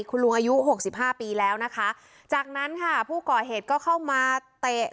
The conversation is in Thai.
คุณลุงอายุหกสิบห้าปีแล้วนะคะจากนั้นค่ะผู้ก่อเหตุก็เข้ามาเตะ